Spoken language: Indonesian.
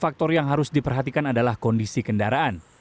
faktor yang harus diperhatikan adalah kondisi kendaraan